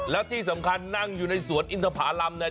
แล้วที่สำคัญนั่งอยู่ในสวนอินทภารำเนี่ย